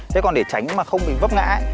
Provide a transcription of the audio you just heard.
thế còn để tránh mà không bị vấp ngã